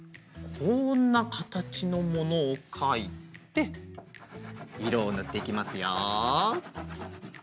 こんなかたちのものをかいていろをぬっていきますよ。